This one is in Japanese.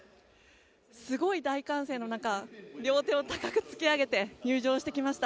すごい大歓声の中両手を高く突き上げて入場してきました。